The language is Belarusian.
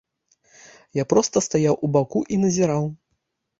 Я проста стаяў у баку і назіраў.